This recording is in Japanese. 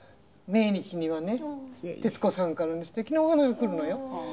命日にはね徹子さんから素敵なお花が来るのよ。